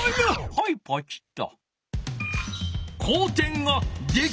はいポチッと。